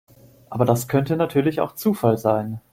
Aber das könnte natürlich auch Zufall sein.